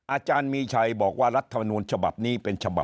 อาจารย์มีชัยบอกว่ารัฐมนุนฉบับนี้